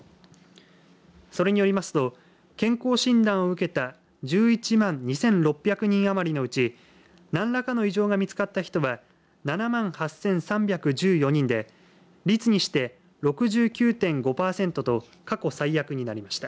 それによりますと健康診断を受けた１１万２６００人あまりのうち何らかの異常が見つかった人は７万８３１４人で率にして６９．５パーセントと過去最悪になりました。